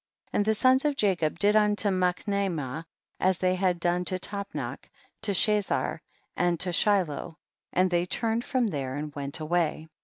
1 3. And the sons of Jacob did unto Machnaymah as they had done to Tapnach, to Chazar and to Shiloh, and they turned from there and went away.